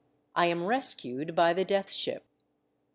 I AM RESCUED BY THE DEATH SHIP.